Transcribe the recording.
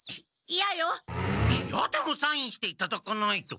いやでもサインしていただかないと！